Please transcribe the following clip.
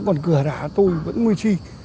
còn cửa đã tôi vẫn nguyên tri